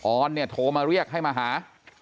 ออนเนี่ยโทรมาเรียกให้มาหา